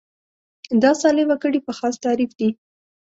دا صالح وګړي په خاص تعریف دي.